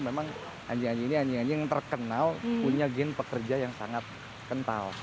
memang anjing anjing ini anjing anjing terkenal punya gen pekerja yang sangat kental